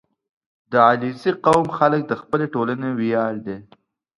• د علیزي قوم خلک د خپلې ټولنې ویاړ دي.